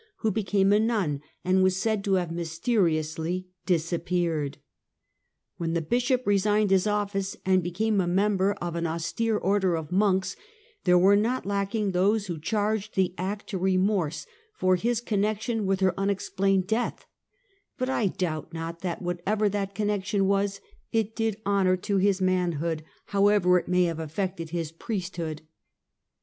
The Mother Chukch. 151 who became a nun, and was said to have mysteriously disappeared. When the Bishop resigned his office and became a member of an austere order of monks, there were not lacking those wlio charged the act to remorse for his connection with her unexplained death; but I doubt not, that wliatever that connection was, it did honor to his manliood, however it may have affected his priesthood.